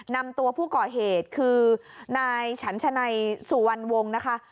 นำตัวผู้ก่อเหตุคือนายฉันชนัยสุวรรณวงศ์นะคะ